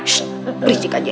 shhh berisik aja